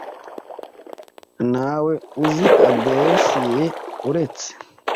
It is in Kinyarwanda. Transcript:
Ntawe uzi aderesi ye uretse .